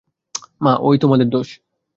মা, ঐ তোমাদের দোষ।